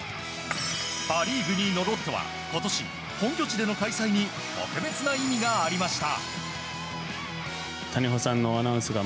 パ・リーグ、２位のロッテは今年本拠地の開催に特別な意味がありました。